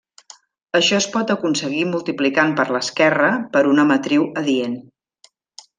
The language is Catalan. Això es pot aconseguir multiplicant per l'esquerra per una matriu adient.